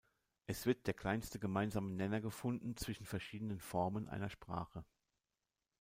Es wird der kleinste gemeinsame Nenner gefunden zwischen verschiedenen Formen einer Sprache.